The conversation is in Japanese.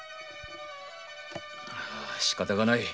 しかたがない。